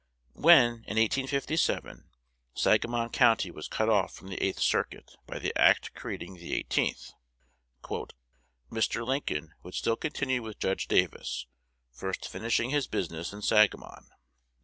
When, in 1857, Sangamon County was cut off from the Eighth Circuit by the act creating the Eighteenth, "Mr. Lincoln would still continue with Judge Davis, first finishing his business in Sangamon."